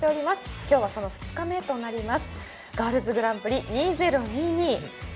今日は２日目となります。